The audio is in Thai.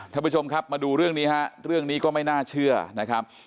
ทุกผู้ชมครับมาดูเรื่องนี้นี่ก็ไม่น่าเชื่อนะครับ